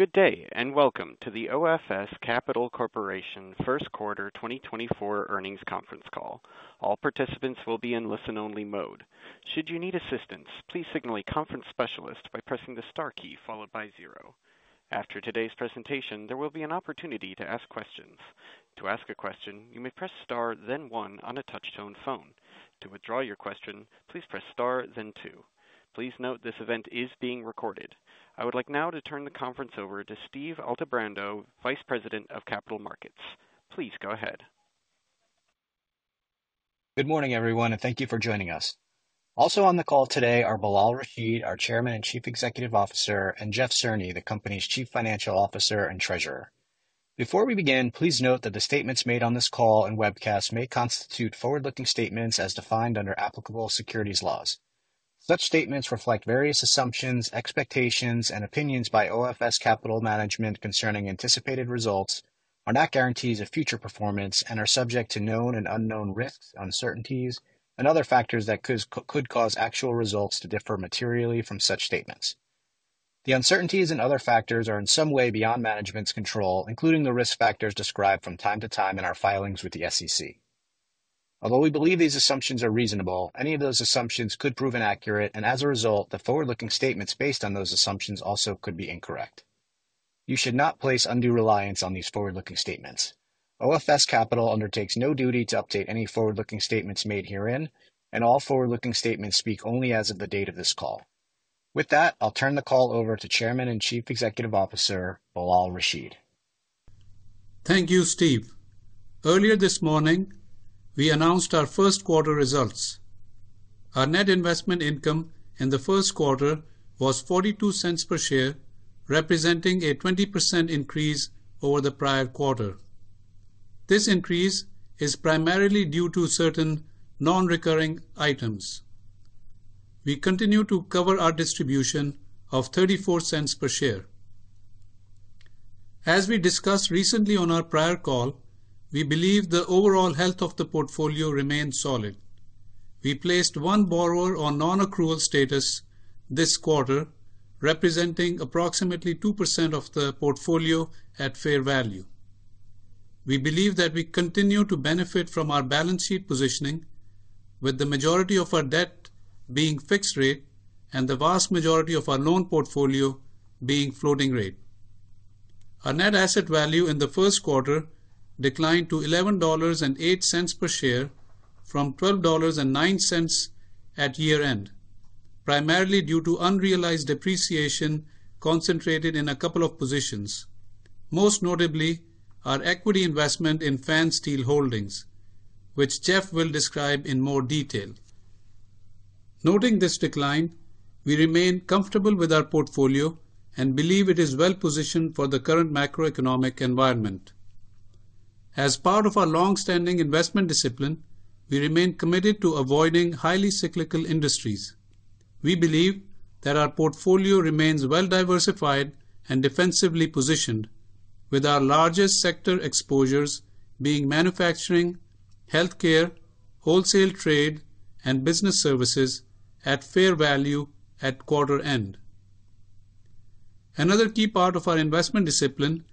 Good day and welcome to the OFS Capital Corporation first quarter 2024 earnings conference call. All participants will be in listen-only mode. Should you need assistance, please signal a conference specialist by pressing the star key followed by zero. After today's presentation, there will be an opportunity to ask questions. To ask a question, you may press star then one on a touch-tone phone. To withdraw your question, please press star then two. Please note this event is being recorded. I would like now to turn the conference over to Steve Altebrando, Vice President of Capital Markets. Please go ahead. Good morning, everyone, and thank you for joining us. Also on the call today are Bilal Rashid, our Chairman and Chief Executive Officer, and Jeff Cerny, the company's Chief Financial Officer and Treasurer. Before we begin, please note that the statements made on this call and webcast may constitute forward-looking statements as defined under applicable securities laws. Such statements reflect various assumptions, expectations, and opinions by OFS Capital Management concerning anticipated results, are not guarantees of future performance, and are subject to known and unknown risks, uncertainties, and other factors that could cause actual results to differ materially from such statements. The uncertainties and other factors are in some way beyond management's control, including the risk factors described from time to time in our filings with the SEC. Although we believe these assumptions are reasonable, any of those assumptions could prove inaccurate, and as a result, the forward-looking statements based on those assumptions also could be incorrect. You should not place undue reliance on these forward-looking statements. OFS Capital undertakes no duty to update any forward-looking statements made herein, and all forward-looking statements speak only as of the date of this call. With that, I'll turn the call over to Chairman and Chief Executive Officer Bilal Rashid. Thank you, Steve. Earlier this morning, we announced our first quarter results. Our net investment income in the first quarter was $0.42 per share, representing a 20% increase over the prior quarter. This increase is primarily due to certain non-recurring items. We continue to cover our distribution of $0.34 per share. As we discussed recently on our prior call, we believe the overall health of the portfolio remained solid. We placed one borrower on non-accrual status this quarter, representing approximately 2% of the portfolio at fair value. We believe that we continue to benefit from our balance sheet positioning, with the majority of our debt being fixed rate and the vast majority of our loan portfolio being floating rate. Our net asset value in the first quarter declined to $11.08 per share from $12.09 at year-end, primarily due to unrealized depreciation concentrated in a couple of positions, most notably our equity investment in Pfanstiehl Holdings, which Jeff will describe in more detail. Noting this decline, we remain comfortable with our portfolio and believe it is well-positioned for the current macroeconomic environment. As part of our long-standing investment discipline, we remain committed to avoiding highly cyclical industries. We believe that our portfolio remains well-diversified and defensively positioned, with our largest sector exposures being manufacturing, healthcare, wholesale trade, and business services at fair value at quarter-end. Another key part of our investment discipline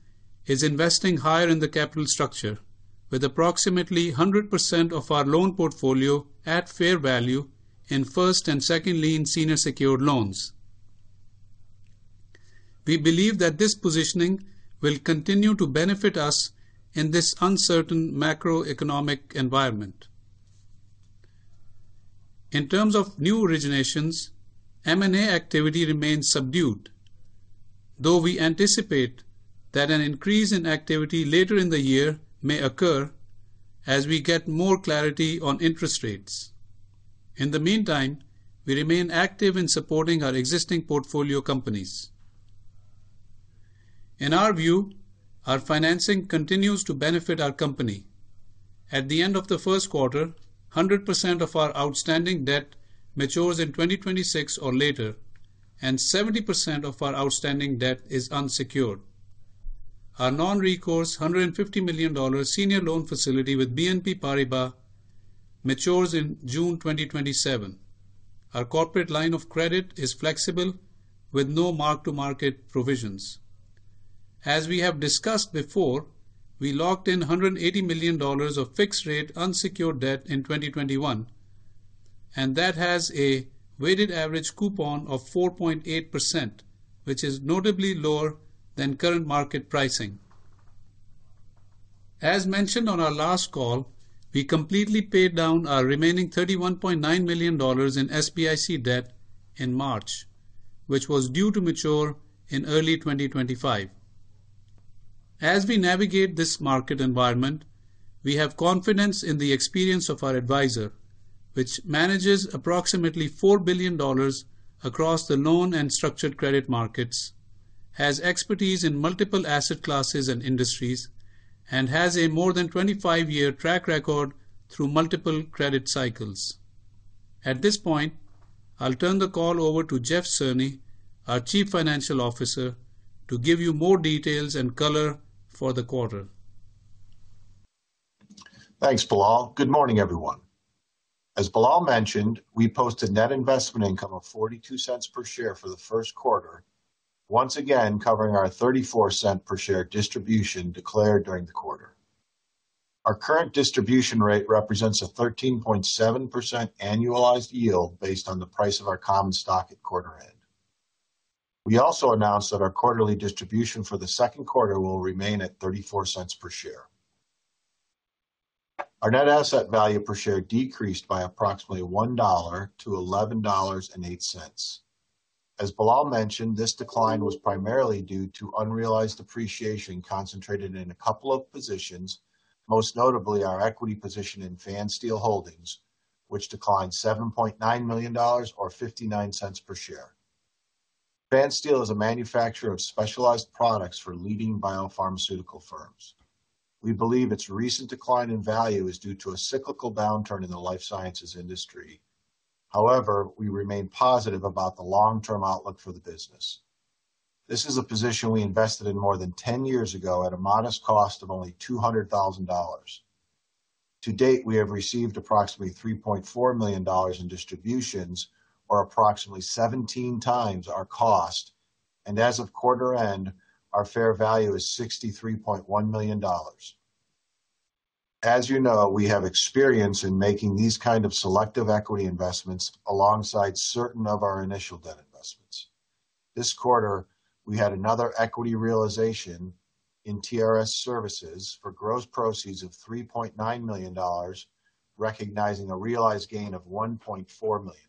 is investing higher in the capital structure, with approximately 100% of our loan portfolio at fair value in first and second lien senior secured loans. We believe that this positioning will continue to benefit us in this uncertain macroeconomic environment. In terms of new originations, M&A activity remains subdued, though we anticipate that an increase in activity later in the year may occur as we get more clarity on interest rates. In the meantime, we remain active in supporting our existing portfolio companies. In our view, our financing continues to benefit our company. At the end of the first quarter, 100% of our outstanding debt matures in 2026 or later, and 70% of our outstanding debt is unsecured. Our non-recourse $150 million senior loan facility with BNP Paribas matures in June 2027. Our corporate line of credit is flexible, with no mark-to-market provisions. As we have discussed before, we locked in $180 million of fixed rate unsecured debt in 2021, and that has a weighted average coupon of 4.8%, which is notably lower than current market pricing. As mentioned on our last call, we completely paid down our remaining $31.9 million in SBIC debt in March, which was due to mature in early 2025. As we navigate this market environment, we have confidence in the experience of our advisor, which manages approximately $4 billion across the loan and structured credit markets, has expertise in multiple asset classes and industries, and has a more than 25-year track record through multiple credit cycles. At this point, I'll turn the call over to Jeff Cerny, our Chief Financial Officer, to give you more details and color for the quarter. Thanks, Bilal. Good morning, everyone. As Bilal mentioned, we posted net investment income of $0.42 per share for the first quarter, once again covering our $0.34 per share distribution declared during the quarter. Our current distribution rate represents a 13.7% annualized yield based on the price of our common stock at quarter-end. We also announced that our quarterly distribution for the second quarter will remain at $0.34 per share. Our net asset value per share decreased by approximately $1-$11.08. As Bilal mentioned, this decline was primarily due to unrealized depreciation concentrated in a couple of positions, most notably our equity position in Pfanstiehl Holdings, which declined $7.9 million or $0.59 per share. Pfanstiehl is a manufacturer of specialized products for leading biopharmaceutical firms. We believe its recent decline in value is due to a cyclical downturn in the life sciences industry. However, we remain positive about the long-term outlook for the business. This is a position we invested in more than 10 years ago at a modest cost of only $200,000. To date, we have received approximately $3.4 million in distributions, or approximately 17 times our cost, and as of quarter-end, our fair value is $63.1 million. As you know, we have experience in making these kinds of selective equity investments alongside certain of our initial debt investments. This quarter, we had another equity realization in TRS Services for gross proceeds of $3.9 million, recognizing a realized gain of $1.4 million.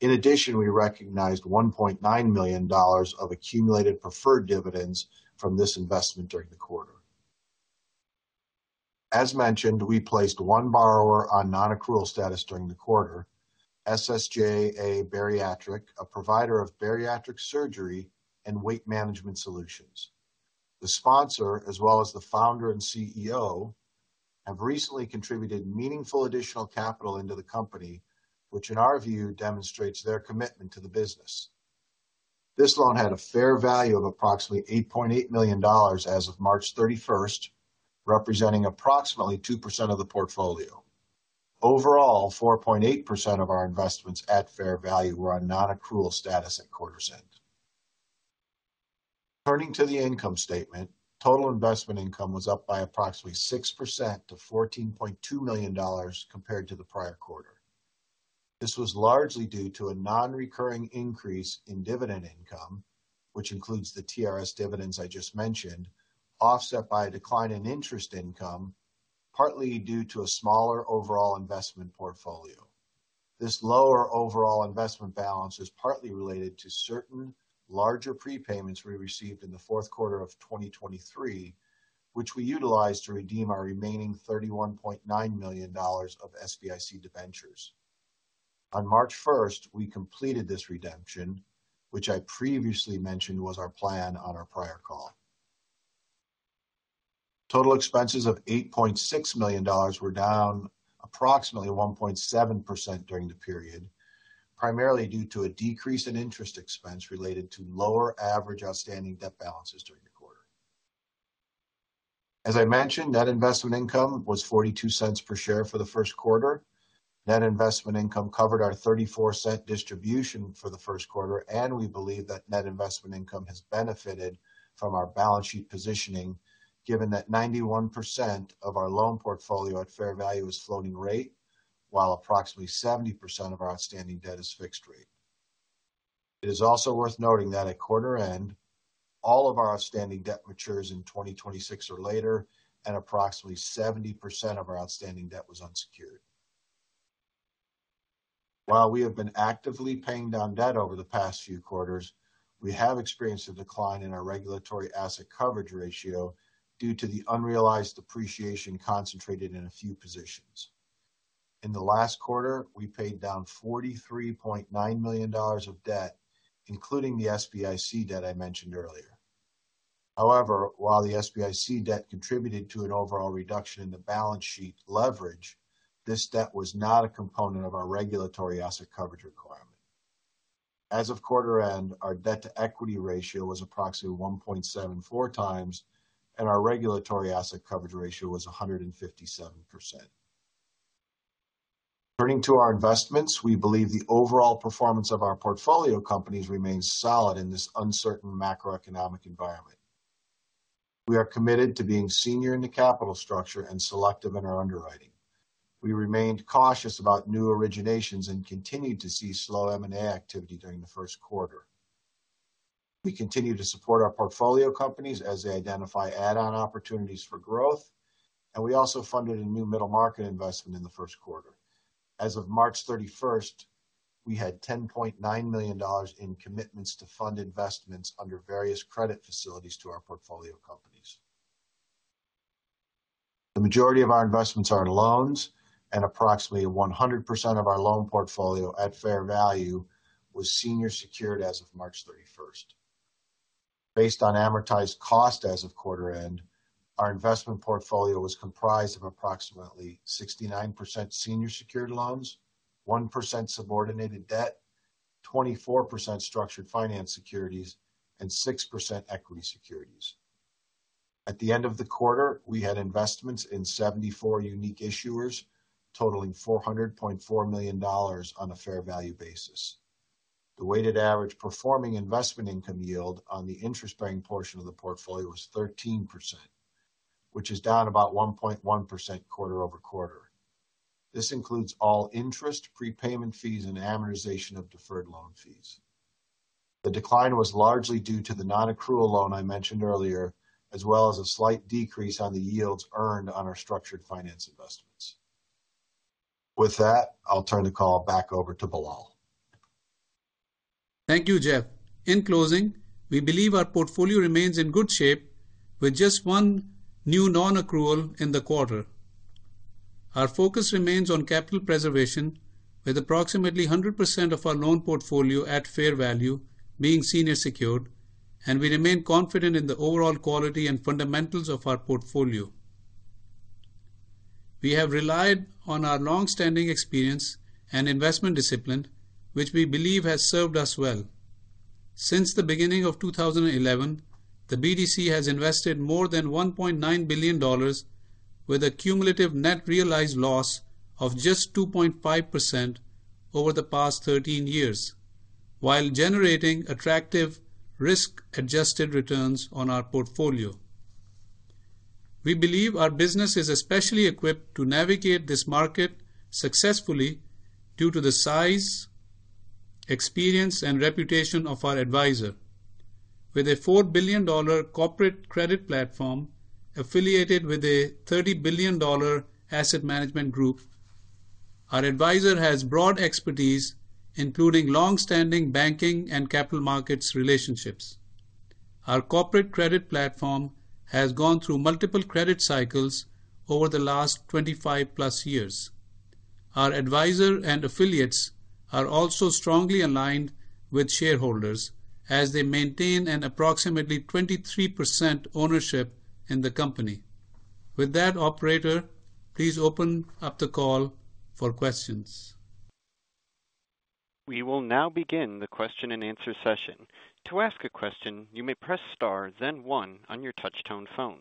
In addition, we recognized $1.9 million of accumulated preferred dividends from this investment during the quarter. As mentioned, we placed one borrower on non-accrual status during the quarter: SSJA Bariatric, a provider of bariatric surgery and weight management solutions. The sponsor, as well as the founder and CEO, have recently contributed meaningful additional capital into the company, which in our view demonstrates their commitment to the business. This loan had a fair value of approximately $8.8 million as of March 31st, representing approximately 2% of the portfolio. Overall, 4.8% of our investments at fair value were on non-accrual status at quarter's end. Turning to the income statement, total investment income was up by approximately 6% to $14.2 million compared to the prior quarter. This was largely due to a non-recurring increase in dividend income, which includes the TRS dividends I just mentioned, offset by a decline in interest income, partly due to a smaller overall investment portfolio. This lower overall investment balance is partly related to certain larger prepayments we received in the fourth quarter of 2023, which we utilized to redeem our remaining $31.9 million of SBIC debentures. On March 1st, we completed this redemption, which I previously mentioned was our plan on our prior call. Total expenses of $8.6 million were down approximately 1.7% during the period, primarily due to a decrease in interest expense related to lower average outstanding debt balances during the quarter. As I mentioned, net investment income was $0.42 per share for the first quarter. Net investment income covered our $0.34 distribution for the first quarter, and we believe that net investment income has benefited from our balance sheet positioning, given that 91% of our loan portfolio at fair value is floating rate, while approximately 70% of our outstanding debt is fixed rate. It is also worth noting that at quarter-end, all of our outstanding debt matures in 2026 or later, and approximately 70% of our outstanding debt was unsecured. While we have been actively paying down debt over the past few quarters, we have experienced a decline in our regulatory asset coverage ratio due to the unrealized depreciation concentrated in a few positions. In the last quarter, we paid down $43.9 million of debt, including the SBIC debt I mentioned earlier. However, while the SBIC debt contributed to an overall reduction in the balance sheet leverage, this debt was not a component of our regulatory asset coverage requirement. As of quarter-end, our debt-to-equity ratio was approximately 1.74x, and our regulatory asset coverage ratio was 157%. Turning to our investments, we believe the overall performance of our portfolio companies remains solid in this uncertain macroeconomic environment. We are committed to being senior in the capital structure and selective in our underwriting. We remained cautious about new originations and continued to see slow M&A activity during the first quarter. We continue to support our portfolio companies as they identify add-on opportunities for growth, and we also funded a new middle market investment in the first quarter. As of March 31st, we had $10.9 million in commitments to fund investments under various credit facilities to our portfolio companies. The majority of our investments are in loans, and approximately 100% of our loan portfolio at fair value was senior secured as of March 31st. Based on amortized cost as of quarter-end, our investment portfolio was comprised of approximately 69% senior secured loans, 1% subordinated debt, 24% structured finance securities, and 6% equity securities. At the end of the quarter, we had investments in 74 unique issuers, totaling $400.4 million on a fair value basis. The weighted average performing investment income yield on the interest-bearing portion of the portfolio was 13%, which is down about 1.1% quarter-over-quarter. This includes all interest, prepayment fees, and amortization of deferred loan fees. The decline was largely due to the non-accrual loan I mentioned earlier, as well as a slight decrease on the yields earned on our structured finance investments. With that, I'll turn the call back over to Bilal. Thank you, Jeff. In closing, we believe our portfolio remains in good shape, with just one new non-accrual in the quarter. Our focus remains on capital preservation, with approximately 100% of our loan portfolio at fair value being senior secured, and we remain confident in the overall quality and fundamentals of our portfolio. We have relied on our long-standing experience and investment discipline, which we believe has served us well. Since the beginning of 2011, the BDC has invested more than $1.9 billion, with a cumulative net realized loss of just 2.5% over the past 13 years, while generating attractive risk-adjusted returns on our portfolio. We believe our business is especially equipped to navigate this market successfully due to the size, experience, and reputation of our advisor. With a $4 billion corporate credit platform affiliated with a $30 billion asset management group, our advisor has broad expertise, including long-standing banking and capital markets relationships. Our corporate credit platform has gone through multiple credit cycles over the last 25+ years. Our advisor and affiliates are also strongly aligned with shareholders, as they maintain an approximately 23% ownership in the company. With that, operator, please open up the call for questions. We will now begin the question-and-answer session. To ask a question, you may press star then one on your touch-tone phone.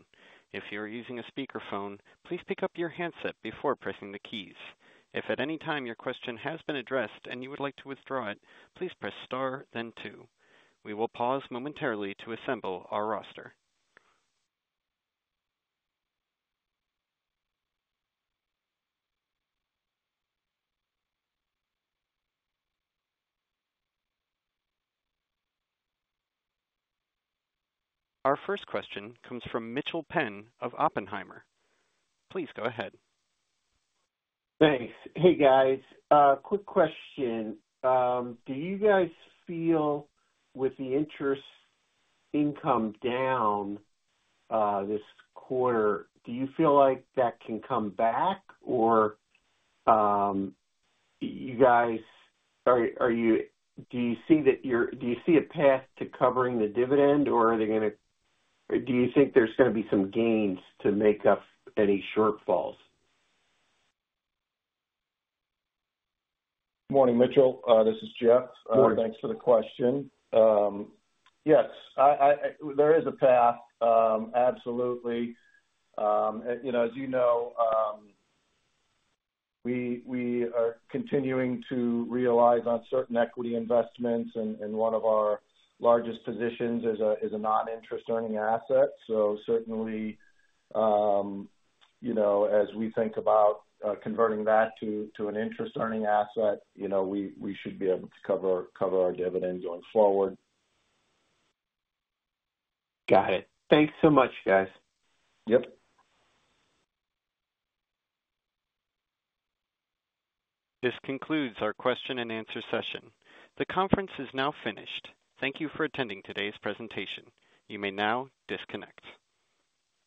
If you are using a speakerphone, please pick up your handset before pressing the keys. If at any time your question has been addressed and you would like to withdraw it, please press star then two. We will pause momentarily to assemble our roster. Our first question comes from Mitchel Penn of Oppenheimer. Please go ahead. Thanks. Hey, guys. Quick question. Do you guys feel with the interest income down this quarter, do you feel like that can come back, or do you see that you're a path to covering the dividend, or are they going to, do you think, there's going to be some gains to make up any shortfalls? Good morning, Mitchel. This is Jeff. Thanks for the question. Yes, there is a path, absolutely. As you know, we are continuing to realize uncertain equity investments, and one of our largest positions is a non-interest-earning asset. So certainly, as we think about converting that to an interest-earning asset, we should be able to cover our dividend going forward. Got it. Thanks so much, guys. Yep. This concludes our question-and-answer session. The conference is now finished. Thank you for attending today's presentation. You may now disconnect.